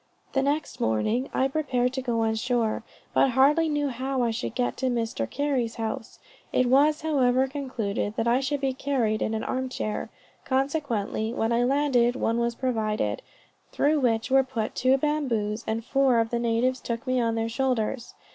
"The next morning I prepared to go on shore, but hardly knew how I should get to Mr. Carey's house; it was, however, concluded that I should be carried in an arm chair; consequently, when I landed one was provided, through which were put two bamboos, and four of the natives took me on their shoulders.